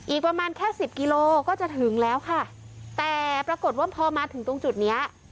อีกประมาณแค่สิบกิโลก็จะถึงแล้วค่ะแต่ปรากฏว่าพอมาถึงตรงจุดเนี้ย